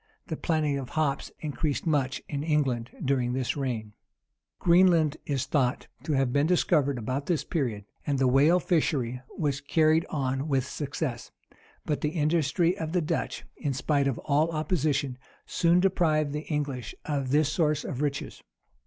The planting of hops increased much in England during this reign. * Rymer tom, xvii. p. 410. Stowe Greenland is thought to have been discovered about this period; and the whale fishery was carried on with success: but the industry of the Dutch, in spite of all opposition, soon deprived the English of this source of riches.